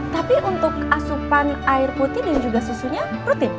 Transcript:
tapi untuk asupan air putih dan juga susunya rutin